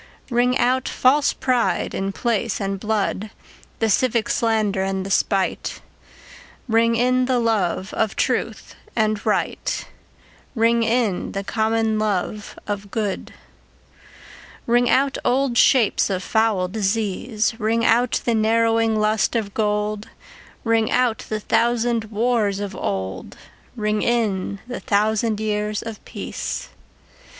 Ring out false pride in place and blood, The civic slander and the spite; Ring in the love of truth and right, Ring in the common love of good. Ring out old shapes of foul disease, Ring out the narrowing lust of gold; Ring out the thousand wars of old, Ring in the thousand years of peace.